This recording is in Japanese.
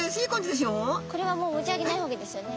これはもう持ち上げない方がいいですよね？